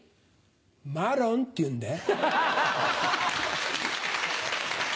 マロンって言うんだよ。